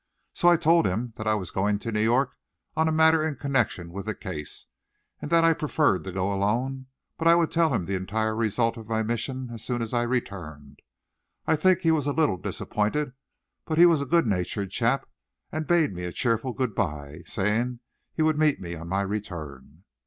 So I told him that I was going to New York on a matter in connection with the case, but that I preferred to go alone, but I would tell him the entire result of my mission as soon as I returned. I think he was a little disappointed, but he was a good natured chap, and bade me a cheerful goodby, saying he would meet me on my return.